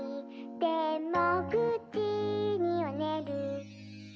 「でも９じにはねる」